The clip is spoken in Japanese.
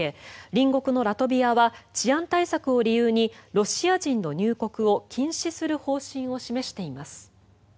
隣国のラトビアは治安対策を理由にロシア人の入国を禁止する方針を示しています。